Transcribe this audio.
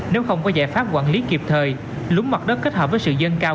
nếu không có giải pháp quản lý kịp thời lúng mặt đất kết hợp với sự dân cao